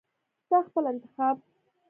ستا خپل انتخاب .